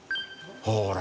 ほら。